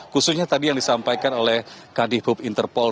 khususnya tadi yang disampaikan oleh kadihbub interpol